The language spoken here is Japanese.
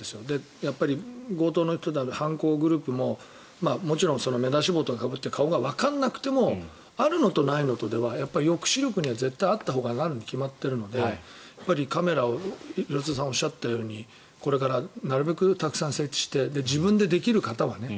やっぱり強盗の人であれ犯行グループももちろん、目出し帽とかかぶって顔がわからなくてもあるのとないのとでは抑止力では絶対あったほうがなるに決まっているのでカメラを廣津留さんがおっしゃったようにこれからなるべくたくさん設置して自分でできる方はね